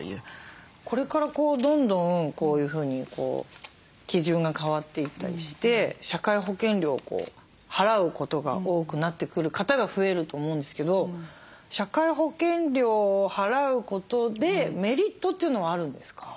これからどんどんこういうふうに基準が変わっていったりして社会保険料を払うことが多くなってくる方が増えると思うんですけど社会保険料を払うことでメリットというのはあるんですか？